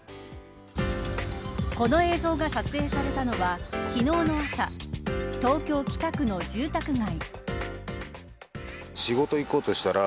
この映像が撮影されたのは昨日の朝東京、北区の住宅街。